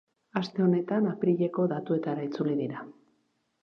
Aste honetan, apirileko datuetara itzuli dira.